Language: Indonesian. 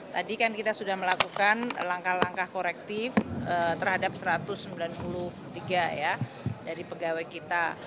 tadi kan kita sudah melakukan langkah langkah korektif terhadap satu ratus sembilan puluh tiga ya dari pegawai kita